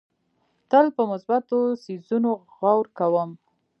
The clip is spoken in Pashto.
تل په مثبتو څیزونو غور کوم.